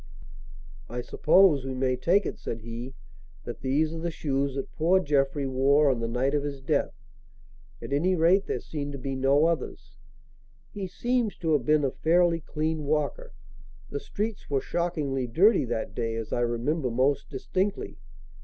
"I suppose we may take it," said he, "that these are the shoes that poor Jeffrey wore on the night of his death. At any rate there seem to be no others. He seems to have been a fairly clean walker. The streets were shockingly dirty that day, as I remember most distinctly.